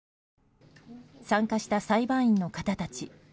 参加した裁判員の方たち。